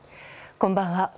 こんばんは。